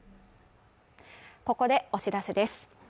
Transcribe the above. ここでお知らせです